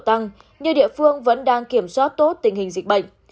tăng nhiều địa phương vẫn đang kiểm soát tốt tình hình dịch bệnh